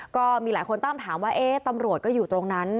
ก็มีหลายคนตั้งถามว่าตำรวจก็อยู่ตรงนั้น